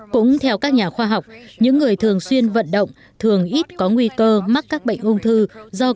cũng theo các nhà khoa học những người thường xuyên vận động thường ít có nguy cơ mắc các bệnh ung thư do các tế bào ung thư